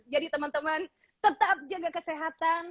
jadi teman teman tetap jaga kesehatan